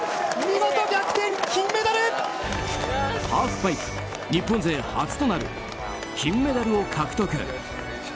ハーフパイプ日本勢初となる金メダルを獲得。